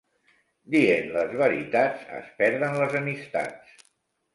Dient les veritats, es perden les amistats.